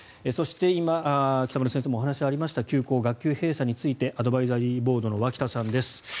そして今、北村先生からもお話がありました休校、学級閉鎖についてアドバイザリーボードの脇田さんです。